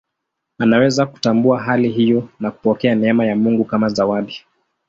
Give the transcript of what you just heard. Anaweza kutambua hali hiyo na kupokea neema ya Mungu kama zawadi.